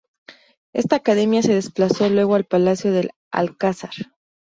Esta academia se desplazó luego al Palacio del Alcázar.